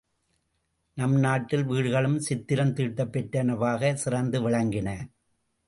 நம் நாட்டில் வீடுகளும் சித்திரம் தீட்டப்பெற்றனவாகச் சிறந்து விளங்கின.